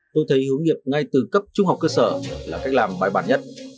tôi thấy hướng nghiệp ngay từ cấp trung học cơ sở là cách làm bài bản nhất